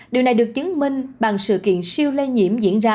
điều này được chứng minh bằng sự kiện siêu lây nhiễm diễn ra